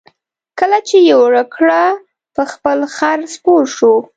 کله چې یې اوړه کړه په خپل خر سپور شو.